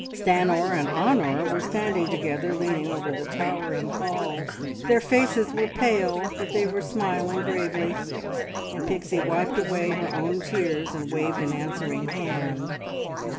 Stanor and Honor were standing together leaning over the towering hull; their faces were pale, but they were smiling bravely, and Pixie wiped away her own tears and waved an answering hand.